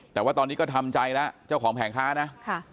แต่ว่าตอนนี้ก็ทำใจแล้วเจ้าของแผงค้านะ